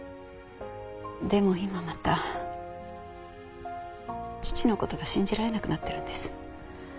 でも今また父の事が信じられなくなってるんです。